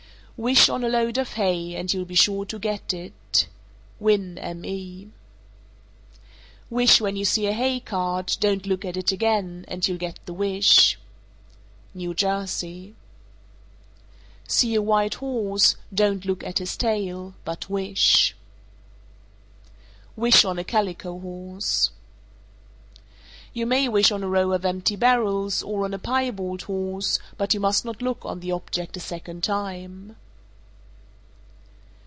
444. Wish on a load of hay, and you'll be sure to get it. Winn, Me. 445. Wish when you see a hay cart, don't look at it again, and you'll get the wish. New Jersey. 446. See a white horse; don't look at his tail, but wish. 447. Wish on a "calico" horse. 448. You may wish on a row of empty barrels, or on a piebald horse, but you must not look on the object a second time.